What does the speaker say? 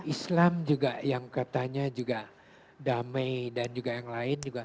islam juga yang katanya juga damai dan juga yang lain juga